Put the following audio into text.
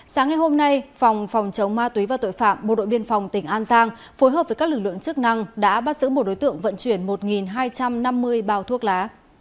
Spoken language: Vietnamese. sáng ngày hôm nay phòng phòng chống ma túy và tội phạm bộ đội biên phòng tỉnh an giang phối hợp với các lực lượng chức năng đã bắt giữ một đối tượng vận chuyển một hai trăm năm mươi bao thuốc lá